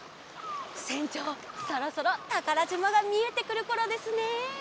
せんちょうそろそろたからじまがみえてくるころですね。